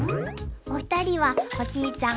お二人はおじいちゃん